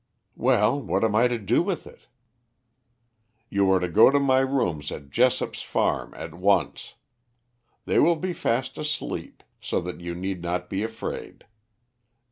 "Well, what am I to do with it?" "You are to go to my rooms at Jessop's farm at once. They will be fast asleep, so that you need not be afraid.